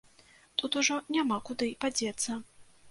Тут ужо няма куды падзецца.